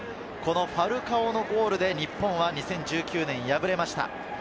ファルカオのゴールで日本は２０１９年、敗れました。